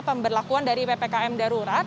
pemberlakuan dari ppkm darurat